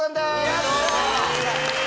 よし！